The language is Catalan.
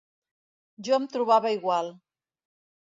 Jo em trobava igual.